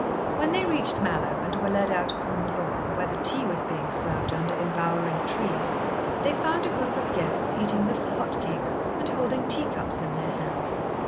When they reached Mallowe, and were led out upon the lawn, where the tea was being served under embowering trees, they found a group of guests eating little hot cakes and holding teacups in their hands.